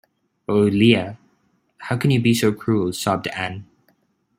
“Oh, Leah, how can you be so cruel?” sobbed Anne.